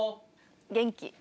元気！